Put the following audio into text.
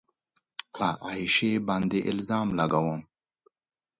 که عایشې باندې الزام لګوم